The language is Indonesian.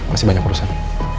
masih banyak urusan